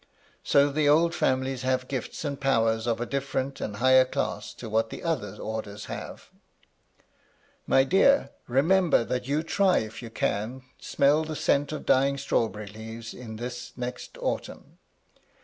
So the old families have gifts and powers of a different and higher class to what the other orders have. My dear, remember that you try if you can smell the scent of dying strawberry leaves in this next autumn.